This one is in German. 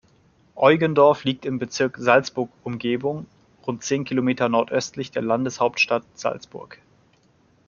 Eugendorf liegt im Bezirk Salzburg-Umgebung rund zehn Kilometer nordöstlich der Landeshauptstadt Salzburg.